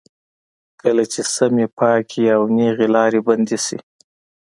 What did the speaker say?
کله چې سمې، پاکې او نېغې لارې بندې شي.